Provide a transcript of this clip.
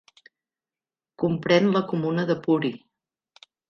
Comprèn la comuna de Puri.